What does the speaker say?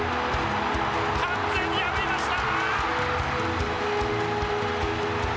完全に破りました！